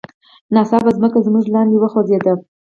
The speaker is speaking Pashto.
ناڅاپه ځمکه زموږ لاندې وخوزیده.